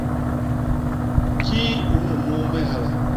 Kii u nnunuu me hala?